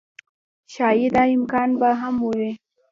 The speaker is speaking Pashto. ښايي دا امکان به هم و